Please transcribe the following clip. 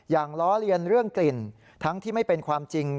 ล้อเลียนเรื่องกลิ่นทั้งที่ไม่เป็นความจริง